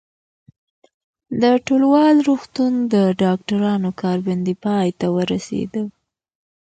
د ټولوال روغتون د ډاکټرانو کار بندي پای ته ورسېده.